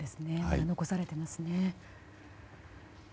残されていますね。